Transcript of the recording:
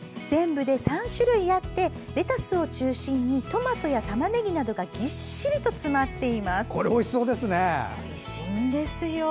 全部で３種類あってレタスを中心にトマトや、たまねぎなどがぎっしりと詰まっています。